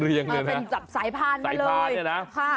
เป็นสายผ้าน